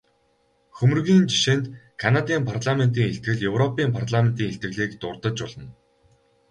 Хөмрөгийн жишээнд Канадын парламентын илтгэл, европын парламентын илтгэлийг дурдаж болно.